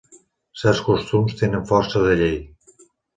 Certs costums tenen força de llei.